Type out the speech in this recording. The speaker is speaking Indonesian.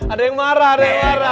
ada yang marah ada yang marah